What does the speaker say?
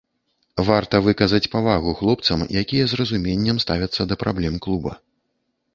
Варта выказаць павагу хлопцам, якія з разуменнем ставяцца да праблем клуба.